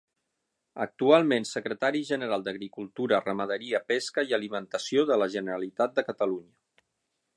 Actualment Secretari General d'Agricultura, Ramaderia, Pesca i Alimentació de la Generalitat de Catalunya.